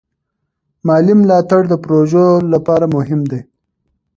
مالي ملاتړ د پروژو لپاره مهم دی.